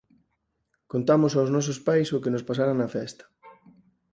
Contamos aos nosos pais o que nos pasara na festa.